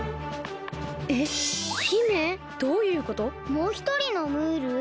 もうひとりのムール？